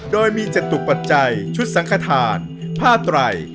โดยมีจตุปัจจัยชุดสังขทานผ้าไตร